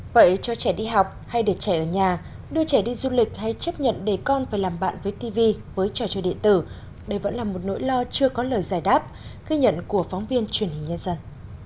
vậy cho trẻ đi học hay để trẻ ở nhà đưa trẻ đi du lịch hay chấp nhận đề con phải làm bạn với tv với trò chơi địa tử đây vẫn là một nỗi lo chưa có lời giải đáp ghi nhận của phóng viên truyền hình nhân dân